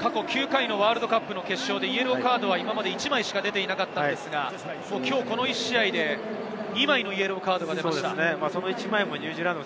過去９回のワールドカップの決勝でイエローカードは、まだ１枚しか出ていなかったのですが、きょうこの１試合で２枚のイエローカードが出ました。